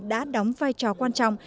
đã đóng vai trò quan trọng